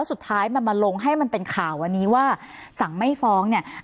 สุดท้ายมันมาลงให้มันเป็นข่าววันนี้ว่าสั่งไม่ฟ้องเนี่ย